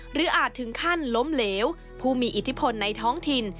อาจถึงขั้นล้มเหลวผู้มีอิทธิพลในท้องถิ่น